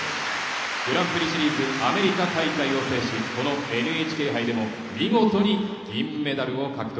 グランプリシリーズアメリカ大会を制しこのＮＨＫ杯でも見事に銀メダルを獲得。